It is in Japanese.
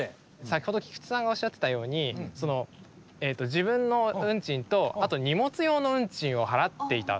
先ほど菊地さんがおっしゃっていたようにその自分の運賃とあと荷物用の運賃を払っていた。